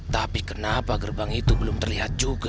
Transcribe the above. tapi kenapa gerbang itu belum terlihat juga